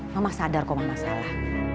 mama sadar kalau mama salah